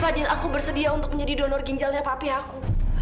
fadil aku bersedia untuk menjadi donor ginjalnya papi aku